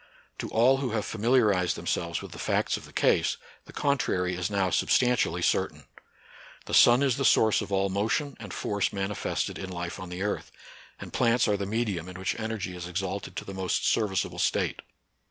To all who have familiarized themselves with the facts of the case, the contrary is now substantially cer tain. The sun is the source of all motion and force manifested in life on the earth, and plants are the medium in which energy is exalted to the most serviceable state.